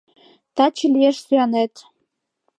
Таче лиеш сӱанет.